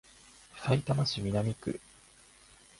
さいたま市南区